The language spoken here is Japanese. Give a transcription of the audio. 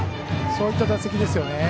そういった打席ですよね。